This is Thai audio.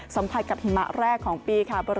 สัมผัสกับหิมะแรกของปีค่ะ